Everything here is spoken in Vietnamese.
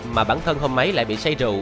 mà bản thân hôm mấy lại bị say rượu